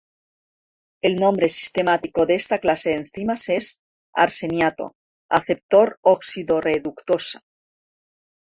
El nombre sistemático de esta clase de enzimas es "arseniato:aceptor oxidorreductasa".